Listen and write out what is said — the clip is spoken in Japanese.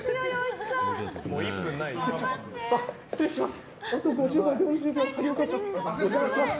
失礼します！